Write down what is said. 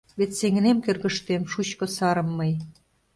Вет сеҥынем кӧргыштем шучко сарым мый.